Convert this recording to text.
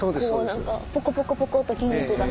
何かポコポコポコと筋肉が。